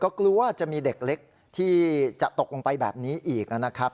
ก็กลัวว่าจะมีเด็กเล็กที่จะตกลงไปแบบนี้อีกนะครับ